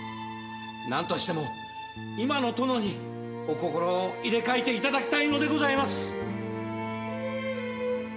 何としても今の殿にお心を入れ替えていただきたいのでございます。